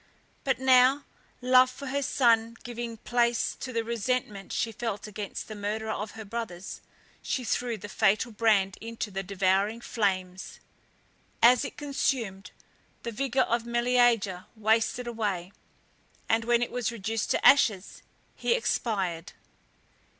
But now, love for her son giving place to the resentment she felt against the murderer of her brothers, she threw the fatal brand into the devouring flames. As it consumed, the vigour of Meleager wasted away, and when it was reduced to ashes, he expired.